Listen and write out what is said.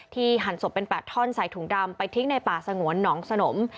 หั่นศพเป็น๘ท่อนใส่ถุงดำไปทิ้งในป่าสงวนหนองสนม